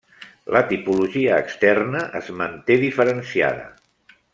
La tipologia externa es manté diferenciada.